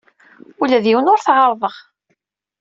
Ula d yiwen ur t-ɛerrḍeɣ.